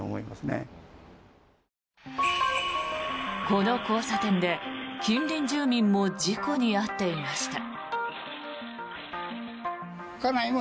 この交差点で近隣住民も事故に遭っていました。